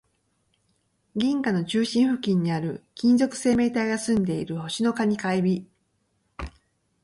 銀河の中心付近にある、金属生命体が住んでいる星の蟹か海老